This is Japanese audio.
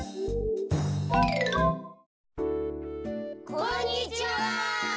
こんにちは！